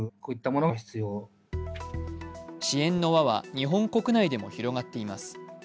支援の輪は日本国内でも広がっています。